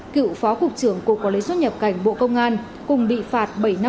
cựu phó cục trưởng cục quản lý xuất nhập cảnh bộ công an